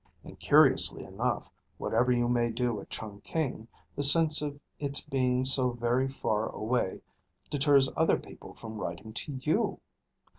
And curiously enough, whatever you may do at Chungking, the sense of its being so very far away deters other people from writing to you.